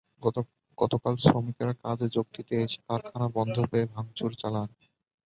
গতকাল শ্রমিকেরা কাজে যোগ দিতে এসে কারখানা বন্ধ পেয়ে ভাঙচুর চালান।